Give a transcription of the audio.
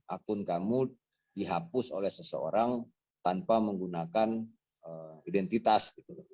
akun kamu dihapus oleh seseorang tanpa menggunakan identitas